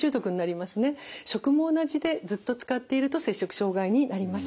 食も同じでずっと使っていると摂食障害になります。